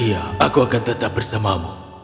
iya aku akan tetap bersamamu